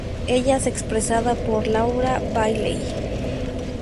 Ella es expresada por Laura Bailey.